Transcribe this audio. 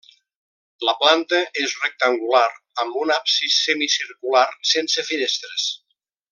La planta és rectangular amb un absis semicircular sense finestres.